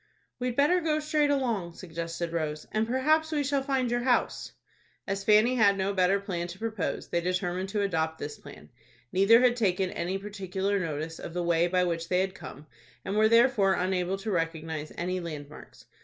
"We'd better go straight along," suggested Rose, "and perhaps we shall find your house." As Fanny had no better plan to propose, they determined to adopt this plan. Neither had taken any particular notice of the way by which they had come, and were therefore unable to recognize any land marks.